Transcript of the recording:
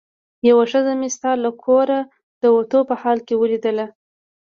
یوه ښځه مې ستا له کوره د وتو په حال کې ولیدله.